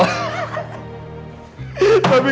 suka suka orang kali kenapa sih